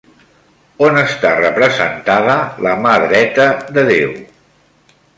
On està representada La mà dreta de Déu?